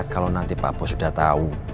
kalau nanti pak bos udah tau